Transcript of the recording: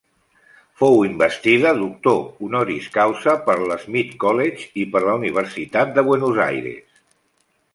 Fou investida doctor honoris causa pel Smith College i per la Universitat de Buenos Aires.